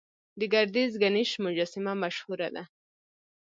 د ګردیز ګنیش مجسمه مشهوره ده